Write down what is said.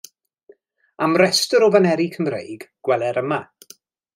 Am restr o faneri Cymreig, gweler yma.